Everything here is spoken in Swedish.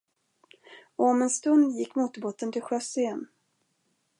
Och om en stund gick motorbåten till sjöss igen.